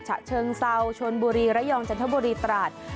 ฉะเชิงเซาชนบุรีระยองจันทบุรีตราด